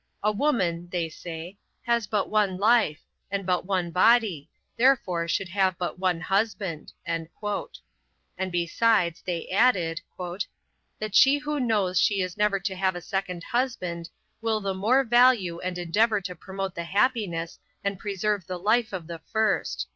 "A woman (say they) has but one life, and but one body, therefore should have but one husband;" and besides, they added, "that she who knows she is never to have a second husband, will the more value and endeavor to promote the happiness and preserve the life of the first."